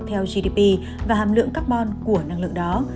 theo gdp và hàm lượng carbon của năng lượng đó